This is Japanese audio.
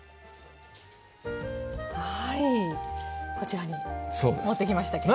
はいこちらに持ってきましたけど。